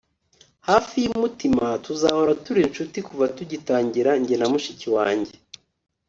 hafi yumutima tuzahora turi inshuti kuva tugitangira njye na mushiki wanjye